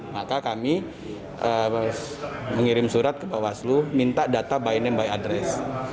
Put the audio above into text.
maka kami mengirim surat ke bawaslu minta data by name by address